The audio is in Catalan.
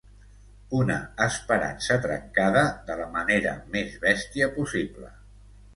Una esperança trencada de la manera més bèstia possible.